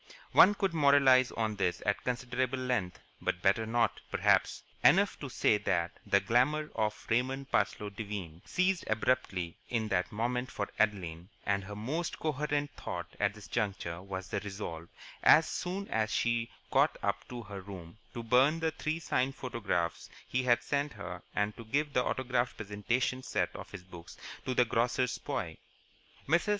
One could moralize on this at considerable length, but better not, perhaps. Enough to say that the glamour of Raymond Devine ceased abruptly in that moment for Adeline, and her most coherent thought at this juncture was the resolve, as soon as she got up to her room, to burn the three signed photographs he had sent her and to give the autographed presentation set of his books to the grocer's boy. Mrs.